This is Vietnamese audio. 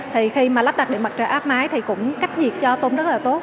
thì khi mà lắp đặt điện mặt trời áp máy thì cũng cấp nhiệt cho tôn rất là tốt